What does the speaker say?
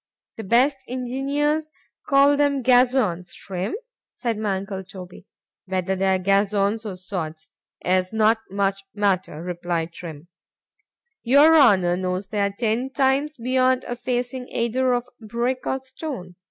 —The best engineers call them gazons, Trim, said my uncle Toby.—Whether they are gazons or sods, is not much matter, replied Trim; your Honour knows they are ten times beyond a facing either of brick or stone.